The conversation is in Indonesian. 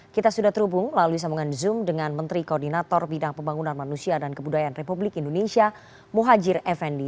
kita sudah terhubung melalui sambungan zoom dengan menteri koordinator bidang pembangunan manusia dan kebudayaan republik indonesia muhajir effendi